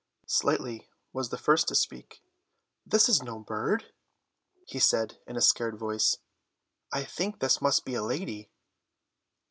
Slightly was the first to speak. "This is no bird," he said in a scared voice. "I think this must be a lady."